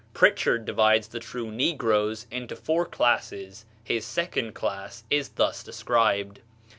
Prichard divides the true negroes into four classes; his second class is thus described: "2.